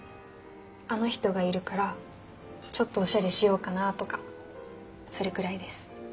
あの人がいるからちょっとおしゃれしようかなとかそれくらいです。